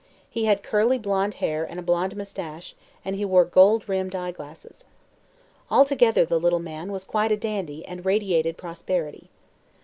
He had curly blond hair and a blond moustache and he wore gold rimmed eyeglasses. Altogether the little man was quite a dandy and radiated prosperity.